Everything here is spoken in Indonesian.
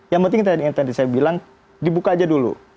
yang penting tadi saya bilang dibuka aja dulu